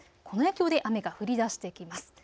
この影響で雨が降りだしてきます。